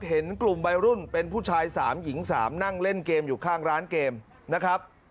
เห็นกลุ่มวัยรุ่นเป็นผู้ชาย๓หญิง๓นั่งเล่นเกมอยู่ข้างร้านเกมนะครับ